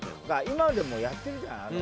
今でもやってるじゃんあの。